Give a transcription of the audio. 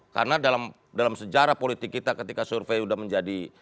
karena dalam sejarah politik kita ketika survei udah menjadi